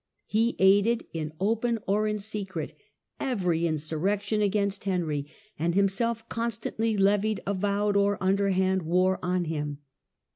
He aided, in open or in secret, every insurrection against Henry, and himself con stantly levied avowed or underhand war on him.